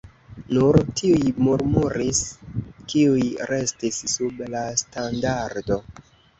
Nur tiuj murmuris, kiuj restis sub la standardo.